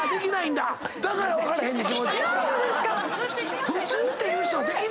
だから分かれへんねん。